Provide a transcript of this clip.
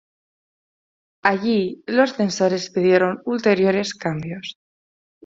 Allí, los censores pidieron ulteriores cambios.